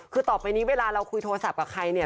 คือต่อไปนี้เวลาเราคุยโทรศัพท์กับใครเนี่ย